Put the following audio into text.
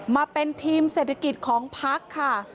มาเป็นทีมเศรษฐกิจของพักค่ะ